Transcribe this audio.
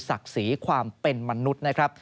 ศักดิ์ศรีความเป็นมนุษย์นะครับ